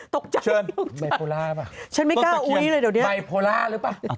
ตกใจจนจะช่วงใจนะคะต้นตะเคียนไบโพล่าหรือเปล่า